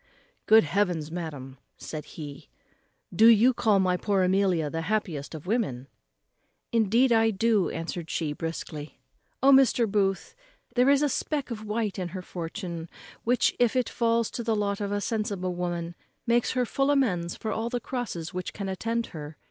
"Good heavens! madam," said he, "do you call my poor Amelia the happiest of women?" "Indeed I do," answered she briskly. "O Mr. Booth! there is a speck of white in her fortune, which, when it falls to the lot of a sensible woman, makes her full amends for all the crosses which can attend her.